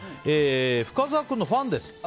深澤君のファンです。